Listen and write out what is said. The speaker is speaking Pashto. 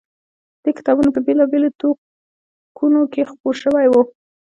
دې کتابونه په بېلا بېلو ټوکونوکې خپور شوی و.